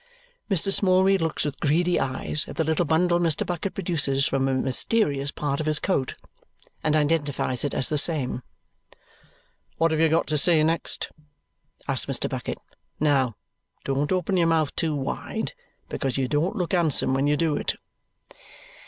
Mr. Smallweed looks, with greedy eyes, at the little bundle Mr. Bucket produces from a mysterious part of his coat, and identifies it as the same. "What have you got to say next?" asks Mr. Bucket. "Now, don't open your mouth too wide, because you don't look handsome when you do it."